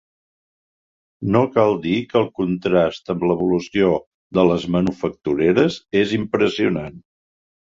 No cal dir que el contrast amb l’evolució de les manufactureres és impressionant.